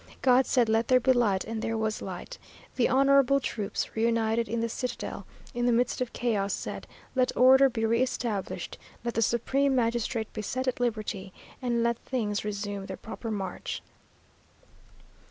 'God said let there be light, and there was light!' The honourable troops, reunited in the citadel, in the midst of chaos, said 'Let order be re established let the supreme magistrate be set at liberty, and let things resume their proper march.'